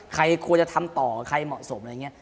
ใครควรจะทำต่อใครเหมาะสมอะไรอย่างนี้